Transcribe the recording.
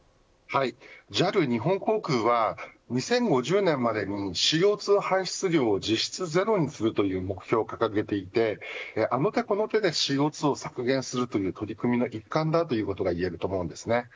ＪＡＬ日本航空は２０５０年までにＣＯ２排出量を実質ゼロにするという目標を掲げていてあの手この手でＣＯ２を削減するという取り組みの一環なんだということがいえると思うんです。